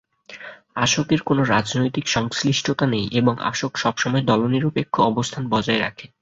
আসক-এর কোনো রাজনৈতিক সংশ্লিষ্টতা নেই এবং আসক সবসময় দলনিরপেক্ষ অবস্থান বজায় রাখে।